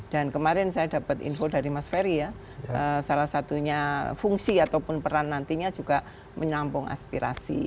dan kemarin saya dapat info dari mas ferry ya salah satunya fungsi ataupun peran nantinya juga menyambung aspirasi